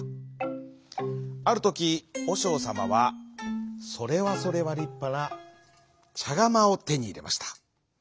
あるときおしょうさまはそれはそれはりっぱなちゃがまをてにいれました。